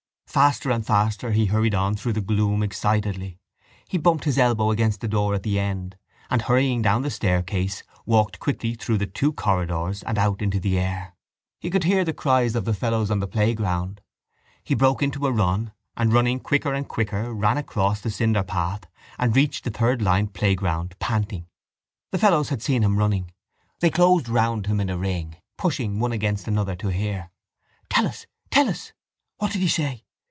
Faster and faster he hurried on through the gloom excitedly. He bumped his elbow against the door at the end and, hurrying down the staircase, walked quickly through the two corridors and out into the air. He could hear the cries of the fellows on the playgrounds. He broke into a run and, running quicker and quicker, ran across the cinderpath and reached the third line playground, panting. The fellows had seen him running. They closed round him in a ring, pushing one against another to hear. —Tell us! Tell us! —What did he say?